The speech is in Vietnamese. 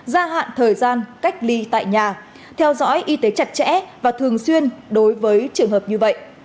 gia hạn thời gian cách ly tại nhà theo dõi y tế chặt chẽ và thường xuyên đối với trường hợp như vậy